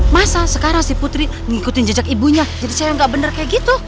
masa sekarang si putri ngikutin jejak ibunya jadi saya nggak bener kayak gitu